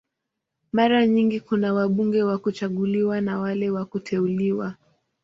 Mara nyingi kuna wabunge wa kuchaguliwa na wale wa kuteuliwa.